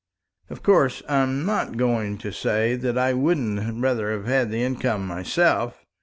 Of course I'm not going to say that I wouldn't rather have had the income myself.